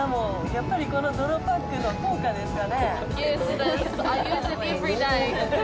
やっぱり、この泥パックの効果ですかね。